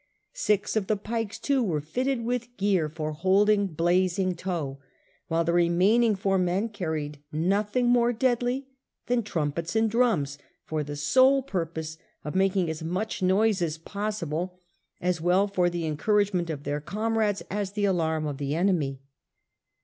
Six of the pikes, too, were fitted with gear for holding blazing tow, while the remaining four men carried nothing more deadly than trumpets and drums for the sole purpose of making as much noise as possible, as well for the encouragement of their comrades as the alarm of the enemy.